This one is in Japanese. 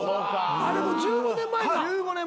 あれもう１５年前か。